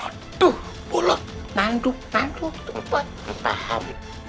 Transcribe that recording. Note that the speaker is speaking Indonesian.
aduh bolot nanduk nanduk tempat paham